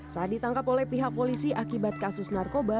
saat ditangkap oleh pihak polisi akibat kasus narkoba